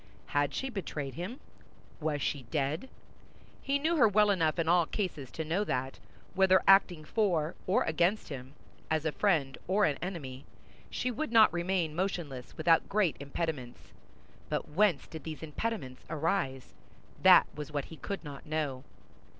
Had she betrayed him? Was she dead? He knew her well enough in all cases to know that, whether acting for or against him, as a friend or an enemy, she would not remain motionless without great impediments; but whence did these impediments arise? That was what he could not know.